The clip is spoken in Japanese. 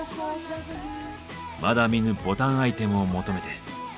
まだ見ぬボタンアイテムを求めて。